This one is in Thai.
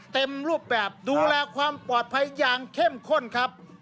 เต็มรูปแบบดูแลความปลอดภัยอย่างเข้มข้นครับ